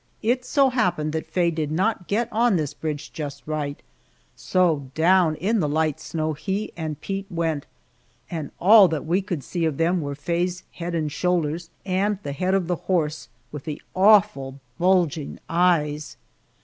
It so happened that Faye did not get on this bridge just right, so down in the light snow he and Pete went, and all that we could see of them were Faye's head and shoulders and the head of the horse with the awful bulging eyes!